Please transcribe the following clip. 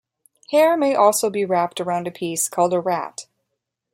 Hair may also be wrapped around a piece called a "rat".